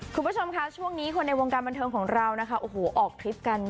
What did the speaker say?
คุณผู้ชมค่ะช่วงนี้คนในวงการบันเทิงของเรานะคะโอ้โหออกทริปกัน